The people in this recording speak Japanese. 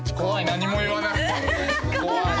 何も言わない。